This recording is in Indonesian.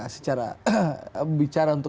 secara bicara untuk